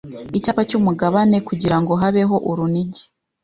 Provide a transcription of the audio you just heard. icyapa cyumugabane kugirango habeho urunigi